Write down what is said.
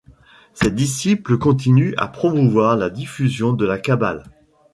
Ses disciples continuent à promouvoir la diffusion de la Kabbale.